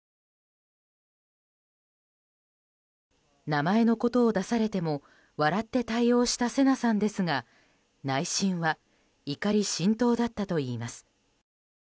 名前のことを出されても笑って対応した聖奈さんですが内心は怒り心頭だったといいます。